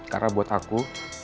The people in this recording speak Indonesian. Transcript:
karena buat aku